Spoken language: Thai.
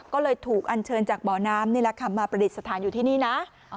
ก็เลยถูกอันเชิญจากบ่อน้ำนี่แหละค่ะมาประดิษฐานอยู่ที่นี่นะ